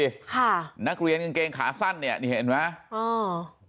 โดนผ่านมาพอดีค่ะนักเรียนกางเกงขาสั้นเนี่ยนี่เห็นไหมอ๋อ